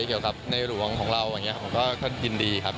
เกี่ยวกับในหลวงของเราอย่างนี้ผมก็ยินดีครับ